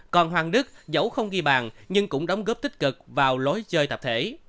còn hoàng đức giấu không ghi bàn nhưng cũng đóng góp tích cực vào lối chơi tập thể